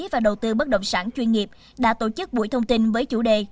và đầu tư bất động sản chuyên nghiệp đã tổ chức buổi thông tin với chủ đề